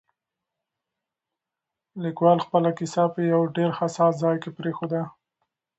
لیکوال خپله کیسه په یو ډېر حساس ځای کې پرېښوده.